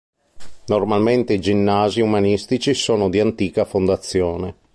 Normalmente i ginnasi umanistici sono di antica fondazione.